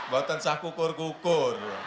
batang sah kukur kukur